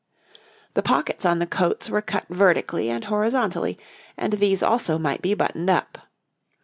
The pockets on the coats were cut vertically and horizontally, and these also might be buttoned up.